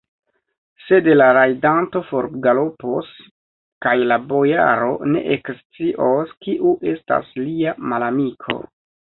Sed la rajdanto forgalopos, kaj la bojaro ne ekscios, kiu estas lia malamiko.